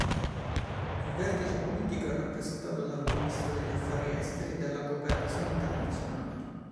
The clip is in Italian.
Il vertice politico è rappresentato dal Ministro degli affari esteri e della cooperazione internazionale.